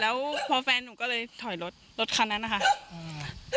แล้วพอแฟนหนูก็เลยถอยรถรถคันนั้นนะคะอืม